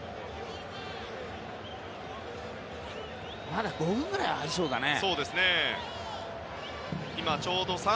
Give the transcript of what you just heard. まだ５分ぐらいありそうだね。